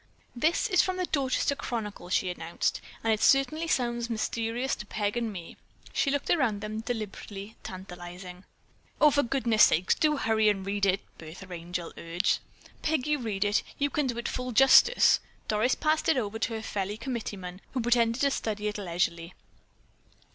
"This is from the Dorchester Chronicle," she announced, "and it certainly sounds mysterious to Peg and me." She looked around at them, deliberately, tantalizing. "Oh, for goodness sakes, do hurry and read it," Bertha Angel urged. "Peg, you read it. You can do it full justice." Doris passed it over to her fellow committeeman, who pretended to study it leisurely.